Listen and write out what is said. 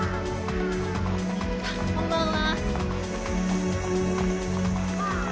こんばんは。